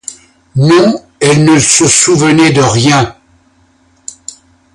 Non, elle ne se souvenait de rien.